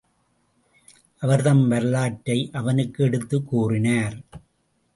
அவர் தம் வரலாற்றை அவனுக்கு எடுத்துக் கூறினார்.